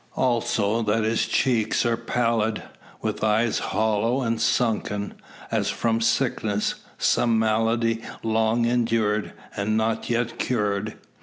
Also, that his cheeks are pallid, with eyes hollow and sunken, as from sickness some malady long endured, and not yet cured.